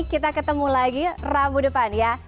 kita ketemu lagi rabu depan ya